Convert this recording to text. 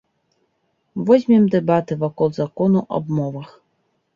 Возьмем дэбаты вакол закону аб мовах.